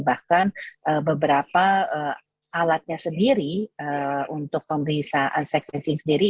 bahkan beberapa alatnya sendiri untuk pemeriksaan sequencing sendiri